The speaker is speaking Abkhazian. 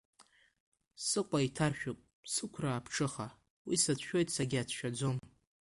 Сыкәа иҭаршәуп сықәра аԥҽыха, уи сацәшәоит, сагьацәшәаӡом.